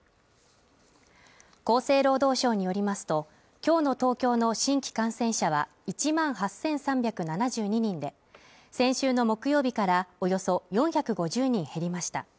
厚生労働省によりますと、今日の東京の新規感染者は１万８３７２人で先週の木曜日からおよそ４５０人減りました。